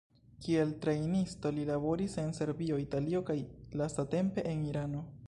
Kiel trejnisto li laboris en Serbio, Italio kaj lastatempe en Irano.